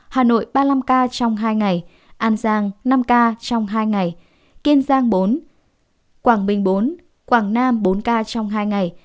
hà nội ba mươi năm ca trong hai ngày an giang năm ca trong hai ngày kiên giang bốn quảng bình bốn quảng nam bốn ca trong hai ngày